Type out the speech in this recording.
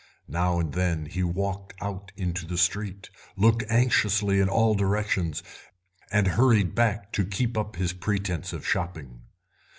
Now and then he walked out into the street, looked anxiously in all directions, and hurried back to keep up his pretence of shopping.